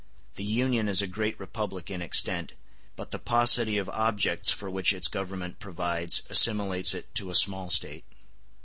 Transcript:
The Union is a great republic in extent, but the paucity of objects for which its Government provides assimilates it to a small State.